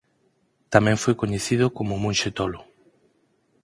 Tamén foi coñecido coma o "monxe tolo".